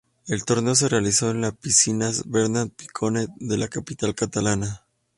El torneo se realizó en las Piscinas Bernat Picornell de la capital catalana.